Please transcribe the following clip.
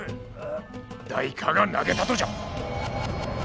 誰かが投げたとじゃ。